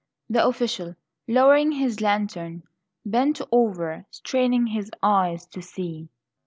The official, lowering his lantern, bent over, straining his eyes to see.